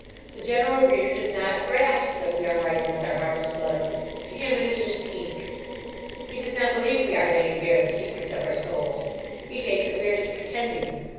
The general reader does not grasp that we are writing with our heart's blood: to him it is just ink. He does not believe we are laying bare the secrets of our souls: he takes it we are just pretending.